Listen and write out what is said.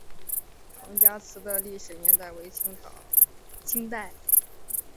彭家祠的历史年代为清代。